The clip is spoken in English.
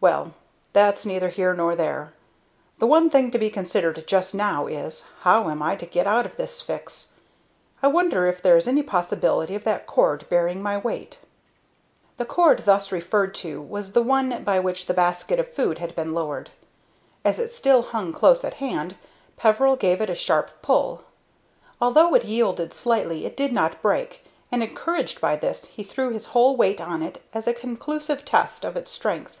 Well, that's neither here nor there. The one thing to be considered just now is, how am I to get out of this fix? I wonder if there is any possibility of that cord bearing my weight." The cord thus referred to was the one by which the basket of food had been lowered. As it still hung close at hand, Peveril gave it a sharp pull. Although it yielded slightly, it did not break, and, encouraged by this, he threw his whole weight on it as a conclusive test of its strength.